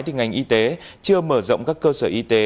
thì ngành y tế chưa mở rộng các cơ sở y tế